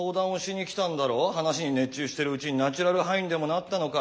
話に熱中してるうちにナチュラルハイにでもなったのか。